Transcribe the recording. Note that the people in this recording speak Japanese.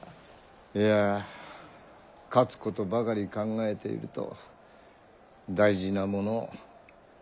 いや勝つことばかり考えていると大事なものを見失いますよ。